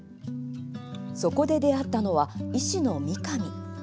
そこで出会ったのは医師の三上。